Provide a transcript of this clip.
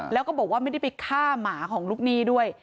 แล้วก็บอกว่าไม่ได้ไปฆ่าหมาของลูกหนี้ด้วย